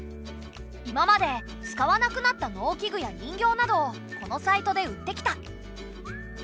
今まで使わなくなった農機具や人形などをこのサイトで売ってきた。